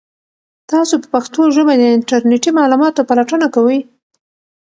تاسو په پښتو ژبه د انټرنیټي معلوماتو پلټنه کوئ؟